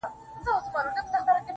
o صبر وکړه لا دي زمانه راغلې نه ده.